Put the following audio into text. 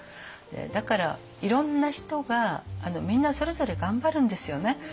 だからいろんな人がみんなそれぞれ頑張るんですよね。